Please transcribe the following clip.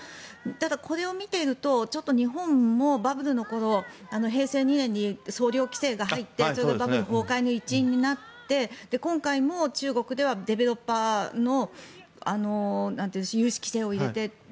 これを見ていると日本もバブルの頃平成２年に総量規制が入ってバブル崩壊の一因になって今回も中国ではディベロッパーの融資規制を入れて。